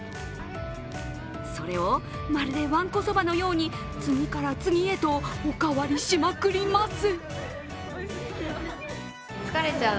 それをまるで、わんこそばのように次から次へとおかわりしまくります。